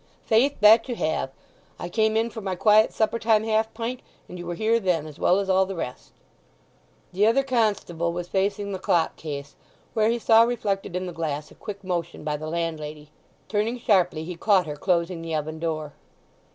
"Faith, that you have. I came in for my quiet suppertime half pint, and you were here then, as well as all the rest." The other constable was facing the clock case, where he saw reflected in the glass a quick motion by the landlady. Turning sharply, he caught her closing the oven door.